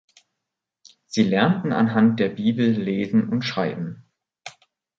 Sie lernten anhand der Bibel lesen und schreiben.